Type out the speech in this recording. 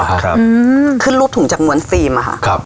ครับอืมขึ้นรูปถุงจากนวลฟีมอะค่ะครับ